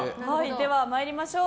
では参りましょう。